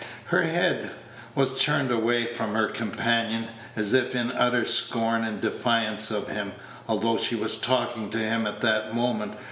Her head was turned away from her companion, as if in utter scorn and defiance of him, although she was talking to him at that moment.